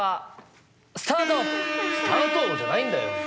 「スタート！」じゃないんだよ。